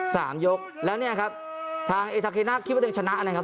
สามยกแล้วเนี่ยครับทางเอทาเคน่าคิดว่าตัวเองชนะนะครับ